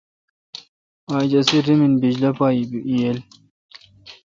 اج اسی ریمن بجلی پا ییل۔